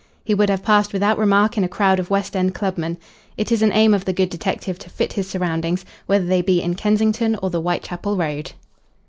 He would have passed without remark in a crowd of West end clubmen. It is an aim of the good detective to fit his surroundings, whether they be in Kensington or the Whitechapel Road.